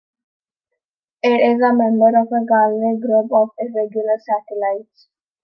It is a member of the Gallic group of irregular satellites.